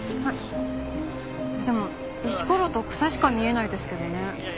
でも石ころと草しか見えないですけどね。